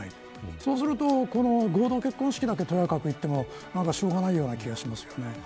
そうすると、この合同結婚式だけとやかく言ってもしょうがないような気がします。